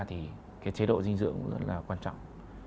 thì cái chế độ dinh dưỡng cũng rất là quan trọng